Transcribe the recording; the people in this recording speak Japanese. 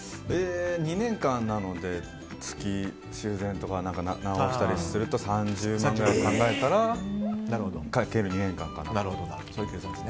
２年間なので修繕とか直したりすると３０万くらいと考えたらかける２年間で。